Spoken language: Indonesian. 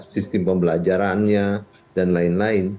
sistem pembelajarannya dan lain lain